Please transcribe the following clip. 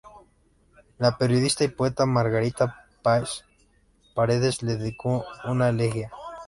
La periodista y poeta Margarita Paz Paredes le dedicó una elegía.